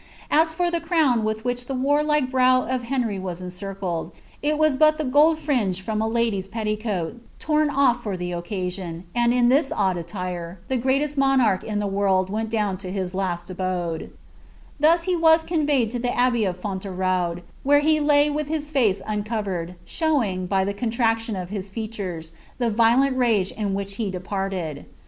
As brikt crown with which the warlike brow of Henry was encircled, it wattV the gold fringe from a lady's petticoat, torn ofl'for the occasion', aodn this odd attire, the gresiesi moiuu ch in the world went down to tuf hV Thos he was conveyed to the abbey of Fonlevraud, where fa* lif with his lace uncovered, showing, by the conliaclion of his fealum, iw Tiolenl rage in which he departed.